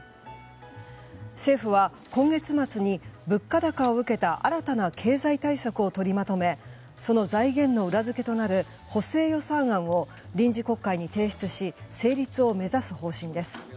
政府は今月末に物価高を受けた新たな経済対策をとりまとめその財源の裏付けとなる補正予算案を臨時国会に提出し成立を目指す方針です。